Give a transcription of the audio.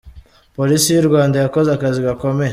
Polisi y’u Rwanda yakoze akazi gakomeye